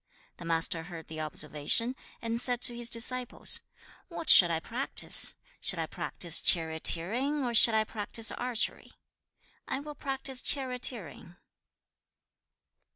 2. The Master heard the observation, and said to his disciples, 'What shall I practise? Shall I practise charioteering, or shall I practise archery? I will practise charioteering.'